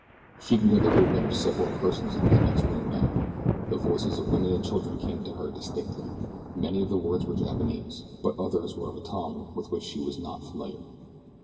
She could hear the movement of several persons in the next room now. The voices of women and children came to her distinctly. Many of the words were Japanese, but others were of a tongue with which she was not familiar.